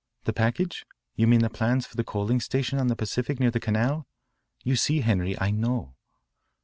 "The package? You mean the plans for the coaling station on the Pacific near the Canal? You see, Henri, I know."